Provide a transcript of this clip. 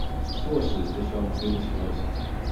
Sources differ on who this was.